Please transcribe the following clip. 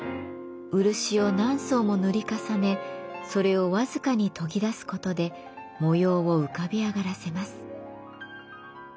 漆を何層も塗り重ねそれを僅かに研ぎ出すことで模様を浮かび上がらせます。